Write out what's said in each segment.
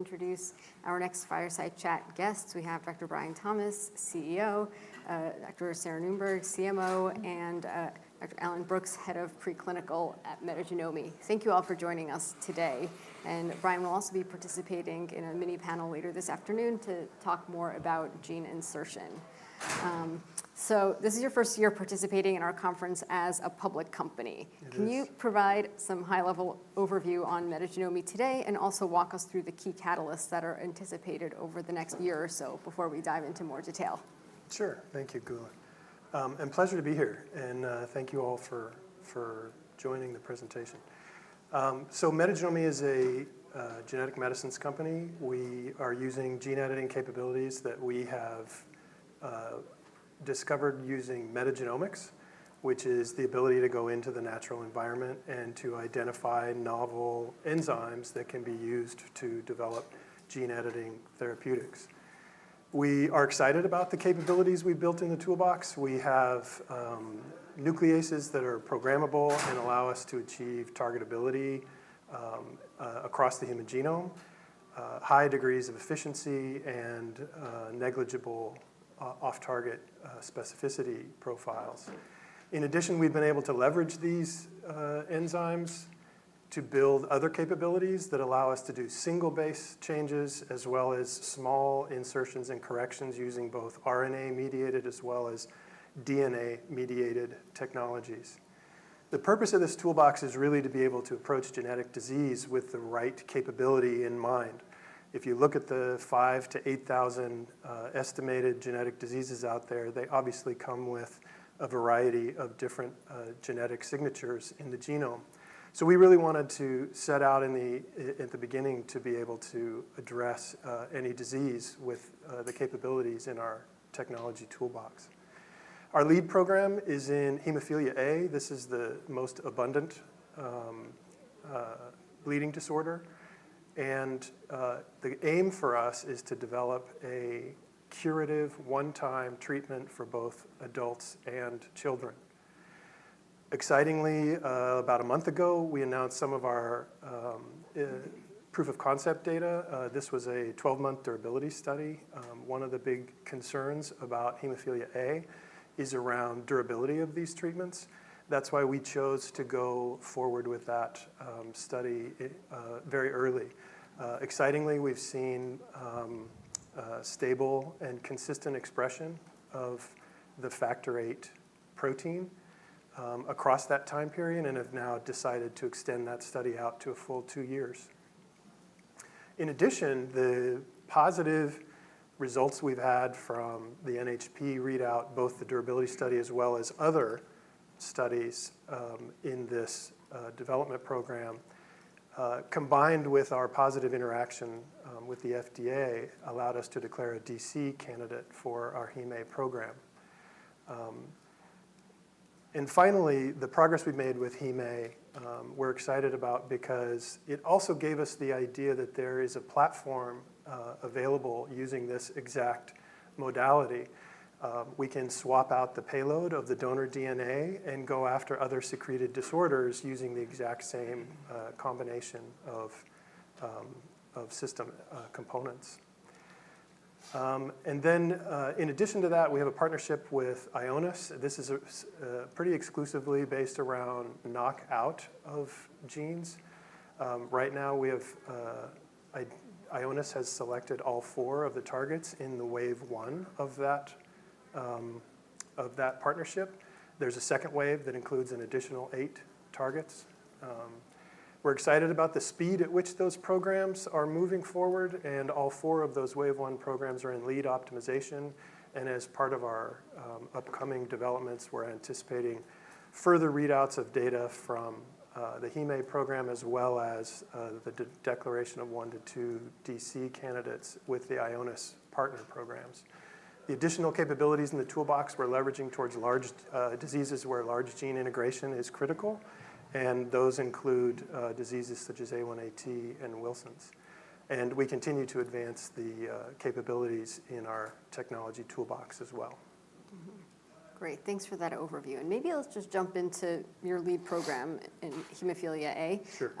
Introduce our next fireside chat guests. We have Dr. Brian Thomas, CEO, Dr. Sarah Noonberg, CMO, and Dr. Allan Brooks, head of Preclinical at Metagenomi. Thank you all for joining us today, and Brian will also be participating in a mini panel later this afternoon to talk more about gene insertion, so this is your first year participating in our conference as a public company. It is. Can you provide some high-level overview on Metagenomi today, and also walk us through the key catalysts that are anticipated over the next year or so before we dive into more detail? Sure. Thank you, Gula. Pleasure to be here, and thank you all for joining the presentation. So Metagenomi is a genetic medicines company. We are using gene editing capabilities that we have discovered using metagenomics, which is the ability to go into the natural environment and to identify novel enzymes that can be used to develop gene-editing therapeutics. We are excited about the capabilities we built in the toolbox. We have nucleases that are programmable and allow us to achieve targetability across the human genome, high degrees of efficiency and negligible off-target specificity profiles. In addition, we've been able to leverage these enzymes to build other capabilities that allow us to do single base changes, as well as small insertions and corrections using both RNA-mediated as well as DNA-mediated technologies. The purpose of this toolbox is really to be able to approach genetic disease with the right capability in mind. If you look at the 5 thousand -8 thousand estimated genetic diseases out there, they obviously come with a variety of different genetic signatures in the genome. So we really wanted to set out at the beginning to be able to address any disease with the capabilities in our technology toolbox. Our lead program is in hemophilia A. This is the most abundant bleeding disorder, and the aim for us is to develop a curative one-time treatment for both adults and children. Excitingly, about a month ago, we announced some of our proof of concept data. This was a 12-month durability study. One of the big concerns about hemophilia A is around durability of these treatments. That's why we chose to go forward with that study very early. Excitingly, we've seen stable and consistent expression of the Factor VIII protein across that time period and have now decided to extend that study out to a full two years. In addition, the positive results we've had from the NHP readout, both the durability study as well as other studies in this development program combined with our positive interaction with the FDA, allowed us to declare a DC candidate for our Heme program. Finally, the progress we've made with Heme, we're excited about because it also gave us the idea that there is a platform available using this exact modality. We can swap out the payload of the donor DNA and go after other secreted disorders using the exact same combination of system components. And then, in addition to that, we have a partnership with Ionis. This is pretty exclusively based around knockout of genes. Right now we have, Ionis has selected all four of the targets in the wave one of that partnership. There's a second wave that includes an additional eight targets. We're excited about the speed at which those programs are moving forward, and all four of those wave one programs are in lead optimization, and as part of our upcoming developments, we're anticipating further readouts of data from the eme program, as well as the declaration of one to two DC candidates with the Ionis partner programs. The additional capabilities in the toolbox we're leveraging towards large diseases where large gene integration is critical, and those include diseases such as A1AT and Wilson's. And we continue to advance the capabilities in our technology toolbox as well. Mm-hmm. Great, thanks for that overview, and maybe let's just jump into your lead program in hemophilia A. Sure.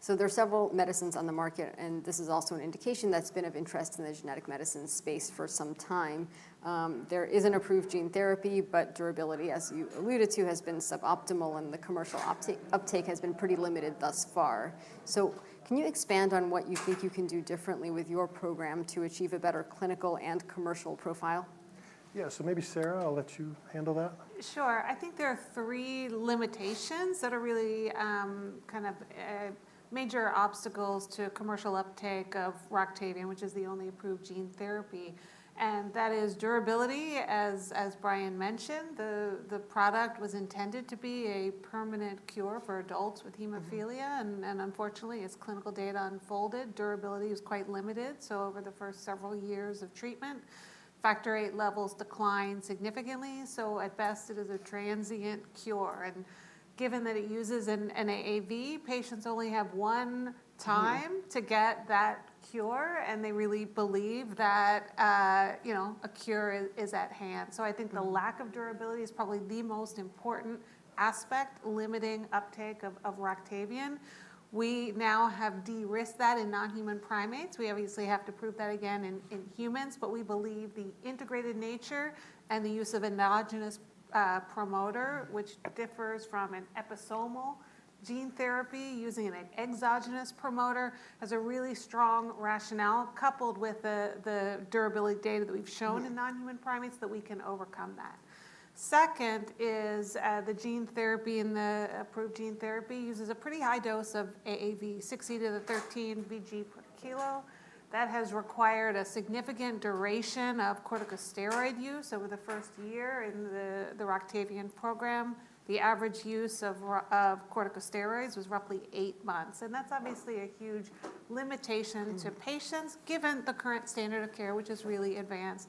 So there are several medicines on the market, and this is also an indication that's been of interest in the genetic medicine space for some time. There is an approved gene therapy, but durability, as you alluded to, has been suboptimal, and the commercial uptake has been pretty limited thus far. So can you expand on what you think you can do differently with your program to achieve a better clinical and commercial profile? Yeah. So maybe, Sarah, I'll let you handle that. Sure. I think there are three limitations that are really, kind of, major obstacles to commercial uptake of Roctavian, which is the only approved gene therapy, and that is durability, as Brian mentioned. The product was intended to be a permanent cure for adults with hemophilia- Mm-hmm. And unfortunately, as clinical data unfolded, durability is quite limited. So over the first several years of treatment, Factor VIII levels declined significantly, so at best, it is a transient cure. And given that it uses an AAV, patients only have one time- Mm-hmm To get that cure... and they really believe that, you know, a cure is at hand. So I think the lack of durability is probably the most important aspect limiting uptake of Roctavian. We now have de-risked that in non-human primates. We obviously have to prove that again in humans, but we believe the integrated nature and the use of endogenous promoter, which differs from an episomal gene therapy, using an exogenous promoter, has a really strong rationale, coupled with the durability data that we've shown- Mm-hmm. In non-human primates, that we can overcome that. Second is the gene therapy, and the approved gene therapy uses a pretty high dose of AAV 60 to the 13 vg per kilo. That has required a significant duration of corticosteroid use over the first year in the Roctavian program. The average use of corticosteroids was roughly eight months, and that's obviously a huge limitation to patients, given the current standard of care, which is really advanced.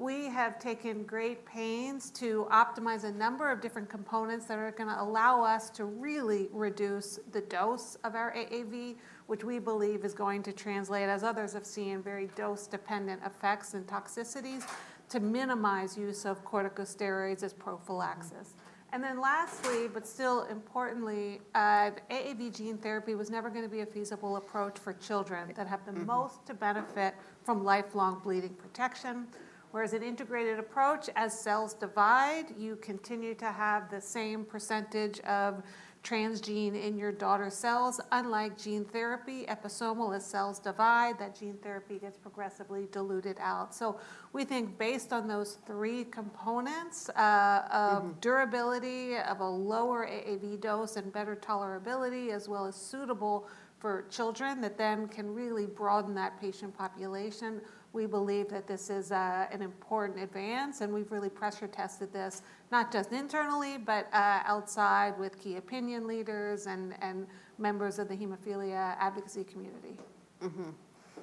We have taken great pains to optimize a number of different components that are gonna allow us to really reduce the dose of our AAV, which we believe is going to translate, as others have seen, very dose-dependent effects and toxicities, to minimize use of corticosteroids as prophylaxis. Lastly, but still importantly, AAV gene therapy was never gonna be a feasible approach for children that have the most- Mm-hmm To benefit from lifelong bleeding protection. Whereas an integrated approach, as cells divide, you continue to have the same percentage of transgene in your daughter cells. Unlike gene therapy, episomal, as cells divide, that gene therapy gets progressively diluted out. So we think based on those three components, Mm-hmm Of durability, of a lower AAV dose and better tolerability, as well as suitable for children, that then can really broaden that patient population. We believe that this is an important advance, and we've really pressure tested this, not just internally, but outside with key opinion leaders and members of the hemophilia advocacy community. Mm-hmm.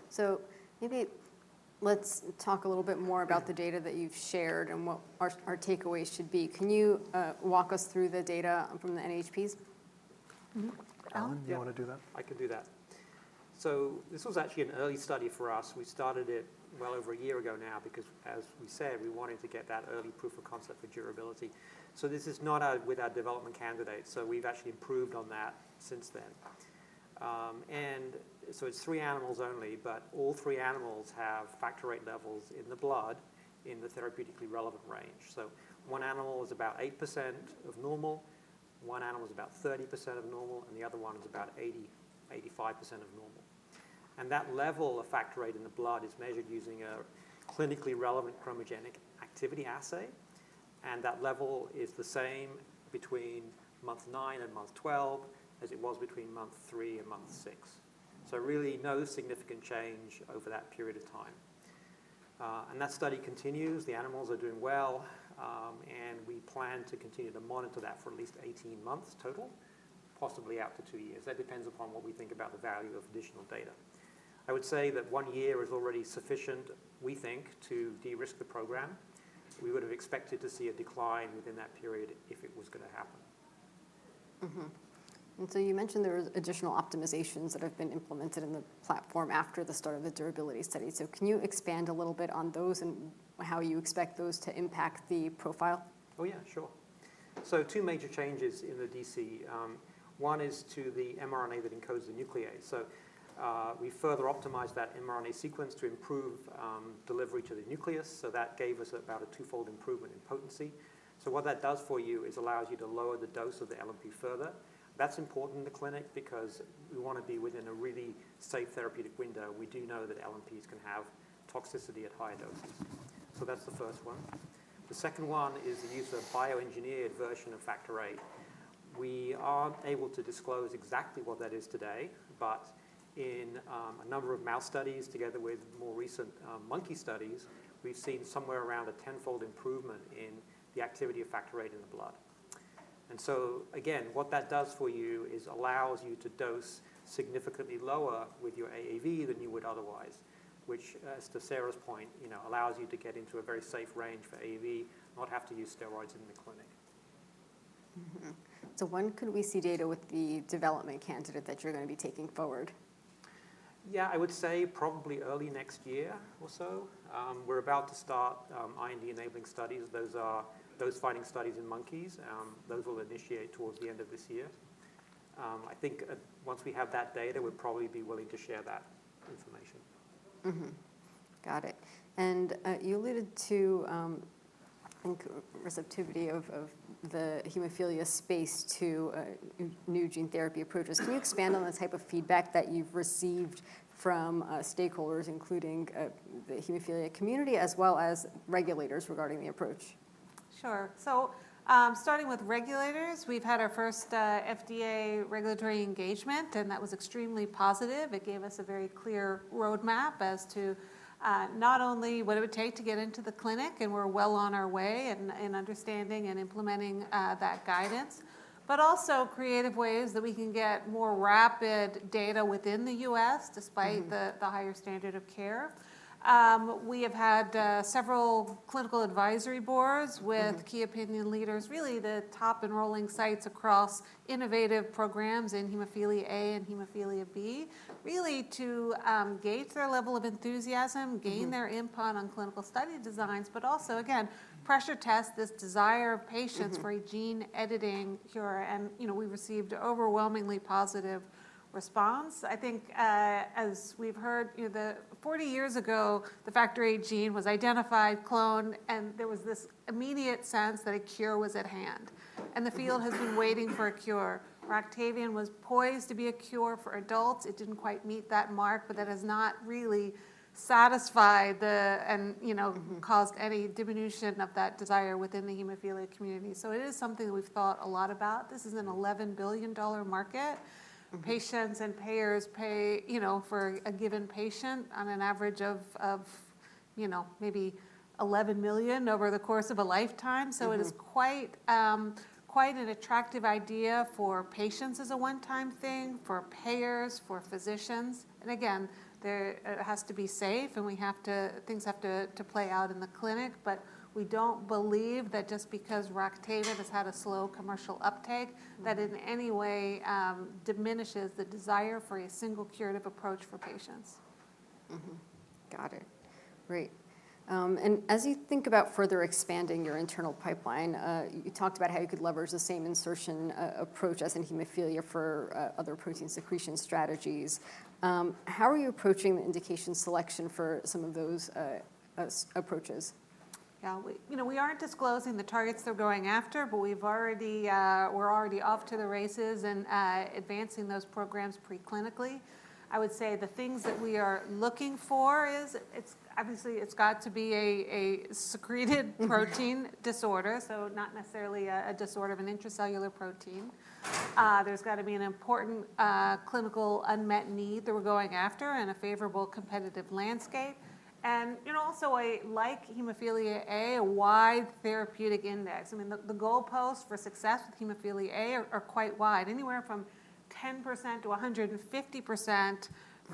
So maybe let's talk a little bit more about the data that you've shared and what our takeaways should be. Can you walk us through the data from the NHPs? Mm-hmm. Allan? You want to do that? I can do that, so this was actually an early study for us. We started it well over a year ago now because, as we said, we wanted to get that early proof of concept for durability, so this is not our, with our development candidate, so we've actually improved on that since then, and so it's three animals only, but all three animals have Factor VIII levels in the blood, in the therapeutically relevant range, so one animal is about 8% of normal, one animal is about 30% of normal, and the other one is about 80%-85% of normal. And that level of Factor VIII in the blood is measured using a clinically relevant chromogenic activity assay, and that level is the same between month nine and month twelve as it was between month three and month six. Really, no significant change over that period of time. That study continues. The animals are doing well, and we plan to continue to monitor that for at least eighteen months total, possibly out to two years. That depends upon what we think about the value of additional data. I would say that one year is already sufficient, we think, to de-risk the program. We would have expected to see a decline within that period if it was gonna happen. Mm-hmm. And so you mentioned there was additional optimizations that have been implemented in the platform after the start of the durability study. So can you expand a little bit on those and how you expect those to impact the profile? Oh, yeah, sure. So two major changes in the DC. One is to the mRNA that encodes the nuclease. So, we further optimized that mRNA sequence to improve delivery to the nucleus, so that gave us about a twofold improvement in potency. So what that does for you is allows you to lower the dose of the LNP further. That's important in the clinic because we want to be within a really safe therapeutic window. We do know that LNPs can have toxicity at higher doses. So that's the first one. The second one is the use of a bioengineered version of Factor VIII. We aren't able to disclose exactly what that is today, but in a number of mouse studies, together with more recent monkey studies, we've seen somewhere around a tenfold improvement in the activity of Factor VIII in the blood. And so, again, what that does for you is allows you to dose significantly lower with your AAV than you would otherwise, which, as to Sarah's point, you know, allows you to get into a very safe range for AAV, not have to use steroids in the clinic. Mm-hmm. So when could we see data with the development candidate that you're going to be taking forward? Yeah, I would say probably early next year or so. We're about to start IND-enabling studies. Those are those finding studies in monkeys. Those will initiate towards the end of this year. I think once we have that data, we'd probably be willing to share that information. Mm-hmm. Got it. And you alluded to, I think, receptivity of the hemophilia space to new gene therapy approaches. Can you expand on the type of feedback that you've received from stakeholders, including the hemophilia community, as well as regulators regarding the approach? Sure, so starting with regulators, we've had our first FDA regulatory engagement, and that was extremely positive. It gave us a very clear roadmap as to not only what it would take to get into the clinic, and we're well on our way in understanding and implementing that guidance, but also creative ways that we can get more rapid data within the U.S.- Mm-hmm Despite the higher standard of care. We have had several clinical advisory boards with- Mm-hmm. Key opinion leaders, really the top enrolling sites across innovative programs in hemophilia A and hemophilia B, really to gauge their level of enthusiasm Mm-hmm. Gain their input on clinical study designs, but also, again, pressure test this desire of patients Mm-hmm. For a gene editing cure, and, you know, we received overwhelmingly positive response. I think, as we've heard, you know, the 40 years ago, the Factor VIII gene was identified, cloned, and there was this immediate sense that a cure was at hand, and the field has been waiting for a cure. Roctavian was poised to be a cure for adults. It didn't quite meet that mark, but that has not really satisfied the... and, you know- Mm-hmm Caused any diminution of that desire within the hemophilia community. So it is something we've thought a lot about. This is an $11 billion market. Mm-hmm. Patients and payers pay, you know, for a given patient on an average of, you know, maybe $11 million over the course of a lifetime. Mm-hmm. So it is quite, quite an attractive idea for patients as a one-time thing, for payers, for physicians, and again, there, it has to be safe, and things have to play out in the clinic, but we don't believe that just because Roctavian has had a slow commercial uptake. Mm-hmm. That in any way diminishes the desire for a single curative approach for patients. Mm-hmm. Got it. Great. And as you think about further expanding your internal pipeline, you talked about how you could leverage the same insertion approach as in hemophilia for other protein secretion strategies. How are you approaching the indication selection for some of those approaches? Yeah, you know, we aren't disclosing the targets that we're going after, but we've already, we're already off to the races and advancing those programs preclinically. I would say the things that we are looking for is, it's obviously, it's got to be a secreted. Mm-hmm Protein disorder, so not necessarily a disorder of an intracellular protein. There's got to be an important clinical unmet need that we're going after and a favorable competitive landscape, and, you know, also, like hemophilia A, a wide therapeutic index. I mean, the goalposts for success with hemophilia A are quite wide. Anywhere from 10%-150%- Mm-hmm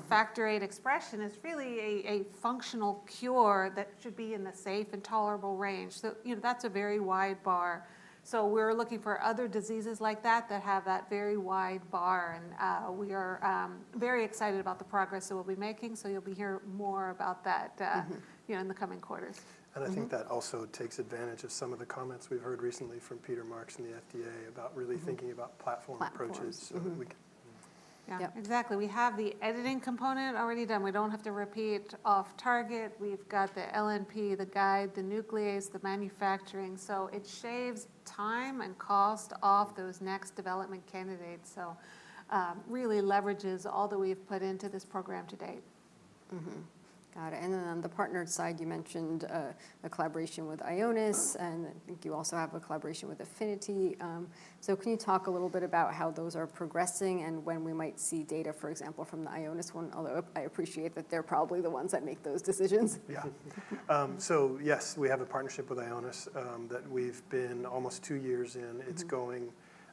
Factor VIII expression is really a functional cure that should be in the safe and tolerable range. So, you know, that's a very wide bar. So we're looking for other diseases like that that have that very wide bar, and we are very excited about the progress that we'll be making, so you'll be hearing more about that- Mm-hmm You know, in the coming quarters. Mm-hmm. I think that also takes advantage of some of the comments we've heard recently from Peter Marks in the FDA about really- Mm-hmm... thinking about platform approaches. Platforms. Mm-hmm. So we can... Yeah. Yep. Exactly. We have the editing component already done. We don't have to repeat off target. We've got the LNP, the guide, the nuclease, the manufacturing, so it shaves time and cost off those next development candidates, so really leverages all that we've put into this program to date. Mm-hmm. Got it, and then on the partnered side, you mentioned a collaboration with Ionis- Mm... and I think you also have a collaboration with Affini-T. So can you talk a little bit about how those are progressing and when we might see data, for example, from the Ionis one? Although I appreciate that they're probably the ones that make those decisions. Yeah, so yes, we have a partnership with Ionis, that we've been almost two years in. Mm-hmm. It's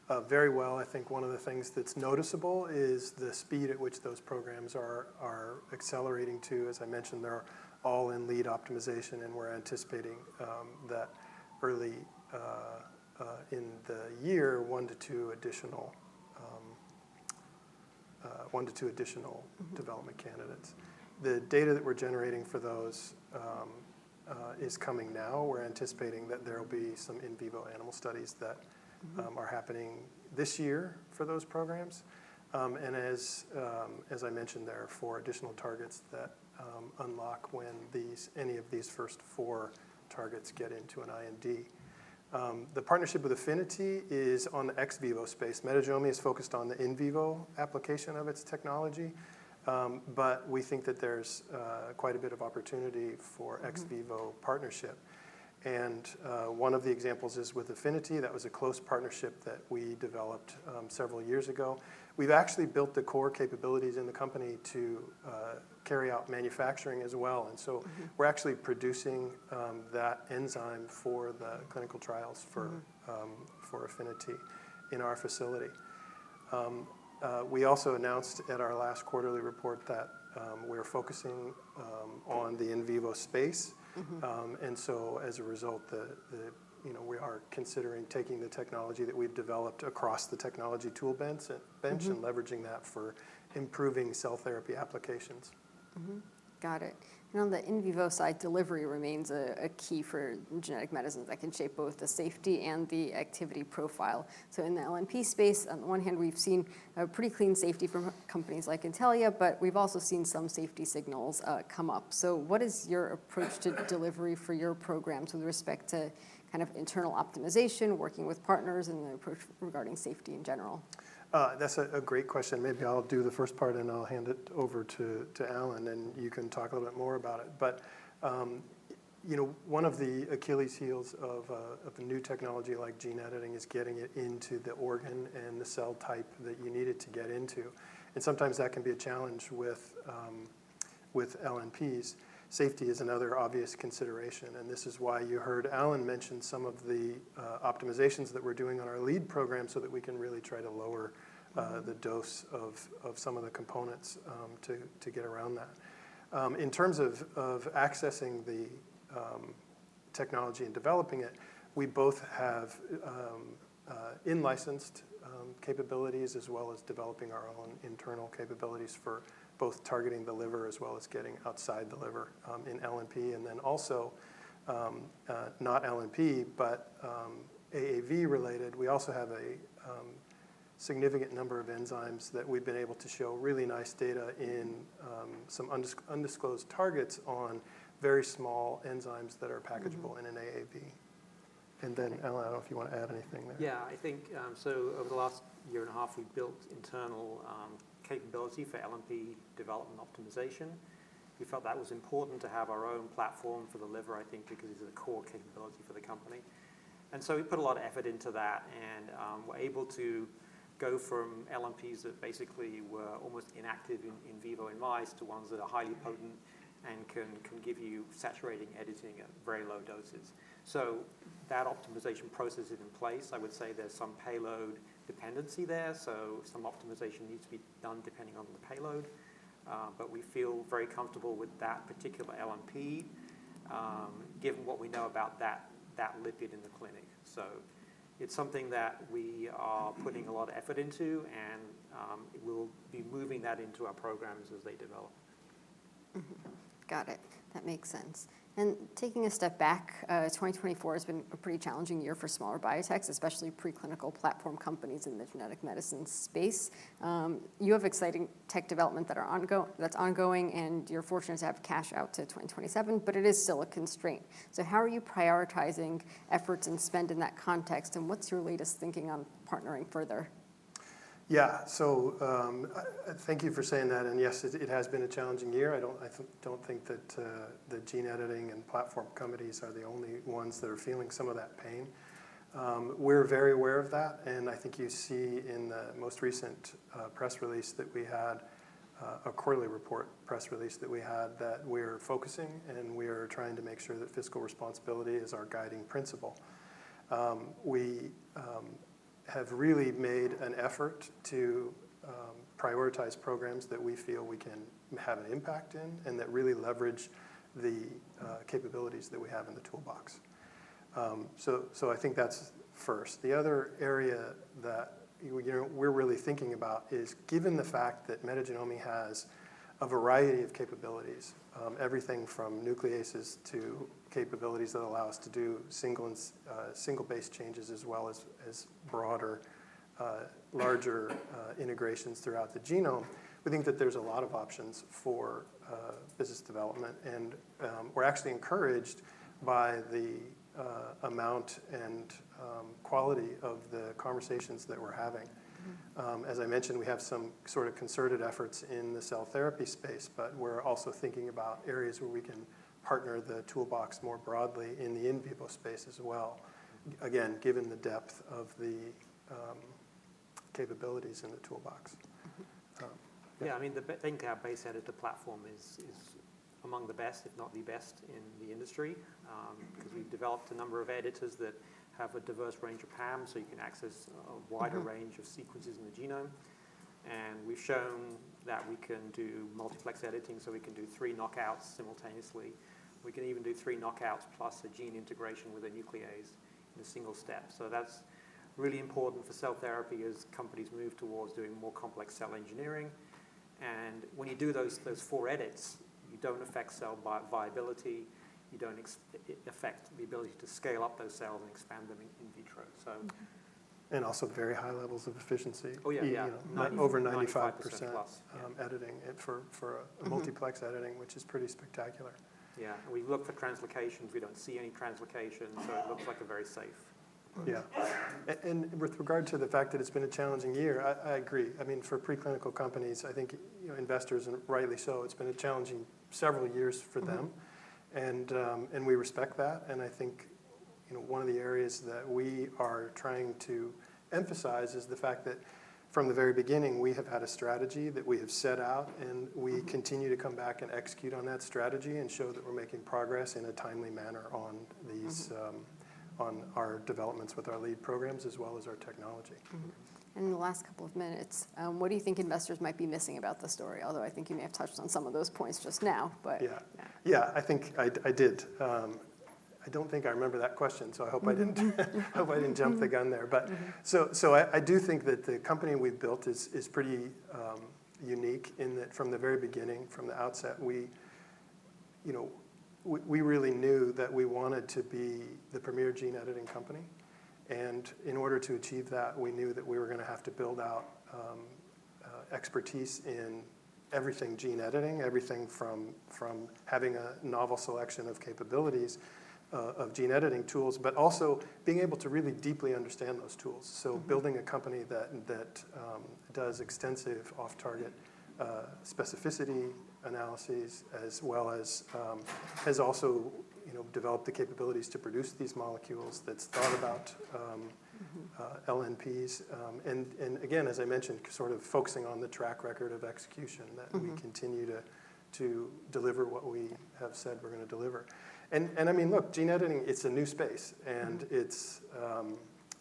going very well. I think one of the things that's noticeable is the speed at which those programs are accelerating, too. As I mentioned, they're all in lead optimization, and we're anticipating that early in the year, one to two additional. Mm... development candidates. The data that we're generating for those is coming now. We're anticipating that there will be some in vivo animal studies that- Mm-hmm... are happening this year for those programs. And as I mentioned, there are four additional targets that unlock when these, any of these first four targets get into an IND. The partnership with Affinity is on the ex vivo space. Metagenomi is focused on the in vivo application of its technology, but we think that there's quite a bit of opportunity for ex vivo- Mm-hmm... partnership, and one of the examples is with Affinity. That was a close partnership that we developed several years ago. We've actually built the core capabilities in the company to carry out manufacturing as well, and so- Mm-hmm... we're actually producing that enzyme for the clinical trials for- Mm-hmm... for Affinity in our facility. We also announced at our last quarterly report that we are focusing on the in vivo space. Mm-hmm. And so as a result, you know, we are considering taking the technology that we've developed across the technology tool bench. Mm-hmm... and leveraging that for improving cell therapy applications. Mm-hmm. Got it, and on the in vivo side, delivery remains a key for genetic medicines that can shape both the safety and the activity profile. So in the LNP space, on the one hand, we've seen a pretty clean safety from companies like Intellia, but we've also seen some safety signals come up. So what is your approach to delivery for your programs with respect to kind of internal optimization, working with partners, and the approach regarding safety in general? That's a great question. Maybe I'll do the first part, and I'll hand it over to Allan, and you can talk a little bit more about it. But, you know, one of the Achilles heels of a new technology like gene editing is getting it into the organ and the cell type that you need it to get into, and sometimes that can be a challenge with LNPs. Safety is another obvious consideration, and this is why you heard Allan mention some of the optimizations that we're doing on our lead program so that we can really try to lower the dose of some of the components to get around that. In terms of accessing the... technology and developing it, we both have in-licensed capabilities as well as developing our own internal capabilities for both targeting the liver as well as getting outside the liver in LNP, and then also not LNP, but AAV related, we also have a significant number of enzymes that we've been able to show really nice data in some undisclosed targets on very small enzymes that are packageable- Mm-hmm... in an AAV. And then, Allan, I don't know if you want to add anything there. Yeah, I think so over the last year and a half, we've built internal capability for LNP development optimization. We felt that was important to have our own platform for the liver, I think because it's a core capability for the company. And so we put a lot of effort into that, and we're able to go from LNPs that basically were almost inactive in vivo in mice to ones that are highly potent and can give you saturating editing at very low doses. So that optimization process is in place. I would say there's some payload dependency there, so some optimization needs to be done depending on the payload, but we feel very comfortable with that particular LNP, given what we know about that lipid in the clinic. So it's something that we are putting a lot of effort into and, we'll be moving that into our programs as they develop. Mm-hmm. Got it. That makes sense, and taking a step back, 2024 has been a pretty challenging year for smaller biotechs, especially preclinical platform companies in the genetic medicine space. You have exciting tech development that are ongoing, and you're fortunate to have cash out to 2027, but it is still a constraint, so how are you prioritizing efforts and spend in that context, and what's your latest thinking on partnering further? Yeah, so thank you for saying that, and yes, it has been a challenging year. I don't think that the gene editing and platform companies are the only ones that are feeling some of that pain. We're very aware of that, and I think you see in the most recent quarterly report press release that we had that we're focusing, and we are trying to make sure that fiscal responsibility is our guiding principle. We have really made an effort to prioritize programs that we feel we can have an impact in and that really leverage the capabilities that we have in the toolbox. So, I think that's first. The other area that, you know, we're really thinking about is given the fact that Metagenomi has a variety of capabilities, everything from nucleases to capabilities that allow us to do single and single-base changes as well as broader, larger integrations throughout the genome, we think that there's a lot of options for business development, and we're actually encouraged by the amount and quality of the conversations that we're having. Mm-hmm. As I mentioned, we have some sort of concerted efforts in the cell therapy space, but we're also thinking about areas where we can partner the toolbox more broadly in the in vivo space as well, again, given the depth of the capabilities in the toolbox. Mm-hmm. Um... Yeah, I mean, I think our base editor platform is among the best, if not the best, in the industry. 'Cause we've developed a number of editors that have a diverse range of PAM, so you can access a wider- Mm-hmm... range of sequences in the genome, and we've shown that we can do multiplex editing, so we can do three knockouts simultaneously. We can even do three knockouts plus a gene integration with a nuclease in a single step. So that's really important for cell therapy as companies move towards doing more complex cell engineering, and when you do those, those four edits, you don't affect cell viability, you don't affect the ability to scale up those cells and expand them in vitro. So- Mm-hmm. Also very high levels of efficiency. Oh, yeah, yeah. You know, over 95%- 95+... editing it for a- Mm-hmm... multiplex editing, which is pretty spectacular. Yeah, and we look for translocations. We don't see any translocations. Mm-hmm. so it looks like a very safe Yeah. And with regard to the fact that it's been a challenging year, I agree. I mean, for preclinical companies, I think, you know, investors, and rightly so, it's been a challenging several years for them. Mm-hmm. We respect that, and I think, you know, one of the areas that we are trying to emphasize is the fact that from the very beginning, we have had a strategy that we have set out, and we continue to come back and execute on that strategy and show that we're making progress in a timely manner on these- Mm-hmm... on our developments with our lead programs as well as our technology. Mm-hmm. In the last couple of minutes, what do you think investors might be missing about the story? Although I think you may have touched on some of those points just now, but- Yeah. Yeah. Yeah, I think I'd, I did. I don't think I remember that question, so I hope I didn't jump the gun there. Mm-hmm. But I do think that the company we've built is pretty unique in that from the very beginning, from the outset, we you know really knew that we wanted to be the premier gene-editing company, and in order to achieve that, we knew that we were gonna have to build out expertise in everything gene editing, everything from having a novel selection of capabilities of gene-editing tools, but also being able to really deeply understand those tools. So building a company that does extensive off-target specificity analyses as well as has also you know developed the capabilities to produce these molecules, that's thought about. Mm-hmm... LNPs, and again, as I mentioned, sort of focusing on the track record of execution- Mm-hmm... that we continue to deliver what we have said we're gonna deliver. And I mean, look, gene editing, it's a new space, and- Mm-hmm...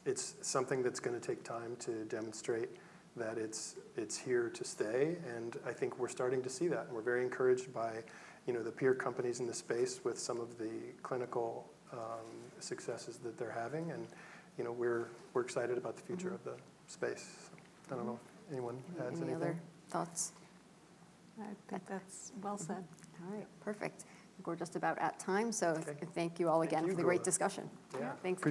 it's something that's gonna take time to demonstrate that it's here to stay, and I think we're starting to see that. We're very encouraged by, you know, the peer companies in the space with some of the clinical successes that they're having, and, you know, we're excited about the future- Mm-hmm... of the space. I don't know if anyone adds anything. Any other thoughts? I think that's well said. All right. Perfect. We're just about at time, so- Okay... thank you all again. Thank you... for the great discussion. Yeah. Thank you.